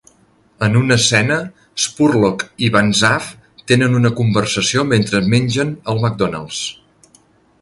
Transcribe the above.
En una escena, Spurlock i Banzhaf tenen una conversació mentre mengen al McDonald's.